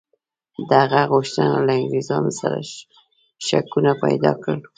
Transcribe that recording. د هغه غوښتنه له انګرېزانو سره شکونه پیدا کړل.